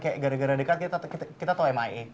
kayak gara gara dekat kita tau m i a